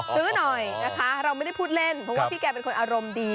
ซื้อหน่อยนะคะเราไม่ได้พูดเล่นเพราะว่าพี่แกเป็นคนอารมณ์ดี